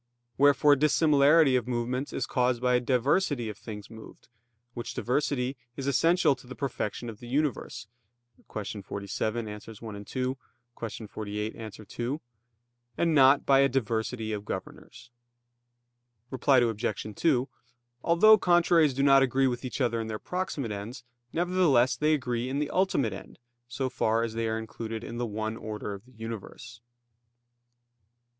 Wherefore dissimilarity of movements is caused by diversity of things moved, which diversity is essential to the perfection of the universe (Q. 47, AA. 1,2; Q. 48, A. 2), and not by a diversity of governors. Reply Obj. 2: Although contraries do not agree with each other in their proximate ends, nevertheless they agree in the ultimate end, so far as they are included in the one order of the universe.